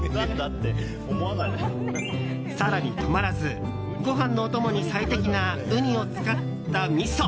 更に止まらずご飯のお供に最適なウニを使ったみそ。